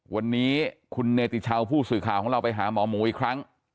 วันนี้คุณเนติชาวผู้สื่อข่าวของเราไปหาหมอหมูอีกครั้ง